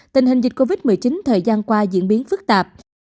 tình hình dịch covid một mươi chín thời gian qua diễn biến phức tạp